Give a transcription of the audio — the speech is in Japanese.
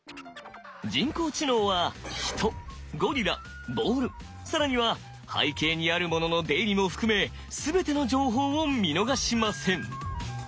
人工知能はヒトゴリラボール更には背景にあるものの出入りも含め全ての情報を見逃しません。